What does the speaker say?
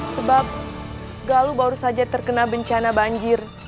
sebab galuh baru saja terkena bencana banjir